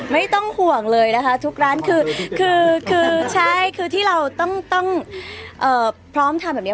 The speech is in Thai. ไม่ต้องห่วงเลยนะคะทุกร้านคือคือใช่คือที่เราต้องพร้อมทำแบบนี้